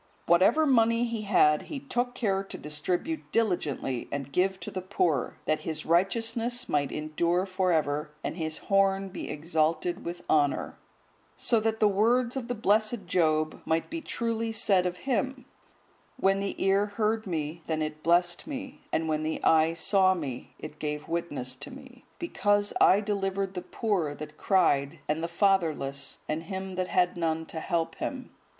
Whatsoever money he had, he took care to distribute diligently and give to the poor, that his righteousness might endure for ever, and his horn be exalted with honour; so that the words of the blessed Job might be truly said of him,(155) "When the ear heard me, then it blessed me; and when the eye saw me, it gave witness to me: because I delivered the poor that cried, and the fatherless, and him that had none to help him.